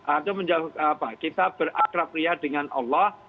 atau kita berakrabriyah dengan allah